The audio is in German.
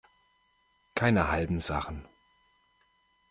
Keine halben Sachen.